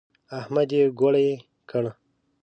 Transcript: احمد يې ګوړۍ کړ.